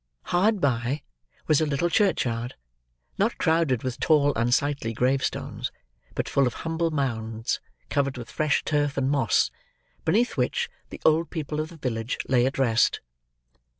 Hard by, was a little churchyard; not crowded with tall unsightly gravestones, but full of humble mounds, covered with fresh turf and moss: beneath which, the old people of the village lay at rest.